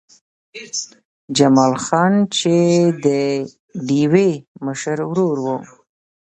جمال خان چې د ډېوې مشر ورور و